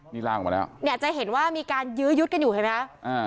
นี่ร่างออกมาแล้วเนี่ยจะเห็นว่ามีการยื้อยุดกันอยู่เห็นไหมอ่า